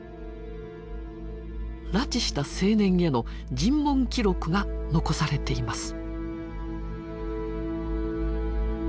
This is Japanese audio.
拉致した青年への尋問記録が残されています。